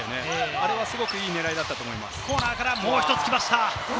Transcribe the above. あれはすごくいい狙いだったと思います。